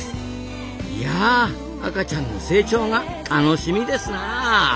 いや赤ちゃんの成長が楽しみですなあ。